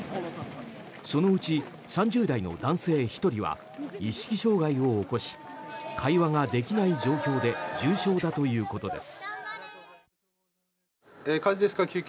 そのうち、３０代の男性１人が意識障害を起こし会話ができない状況で重症だということです。